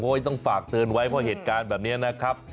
ต้องฝากเตือนไว้เพราะเหตุการณ์แบบนี้นะครับ